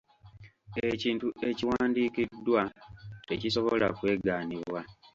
Ekintu ekiwandiikiddwa tekisobola kwegaanibwa.